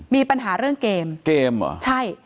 มีปัญหาเรื่องเกมเกมเหรอใช่